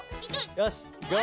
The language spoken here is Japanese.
よしいくよ！